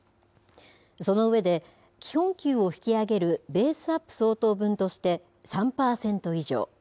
その上で、基本給を引き上げるベースアップ相当分として３％以上。